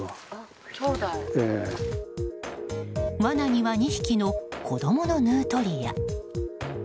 罠には２匹の子供のヌートリア。